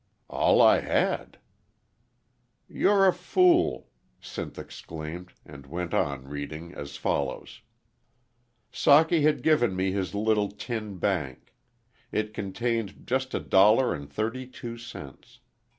"All I had." "You're a fool!" Sinth exclaimed, and went on reading as follows:' "'Socky had given me his little tin bank. It contained just a dollar and thirty two cents.